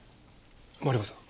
マリコさん。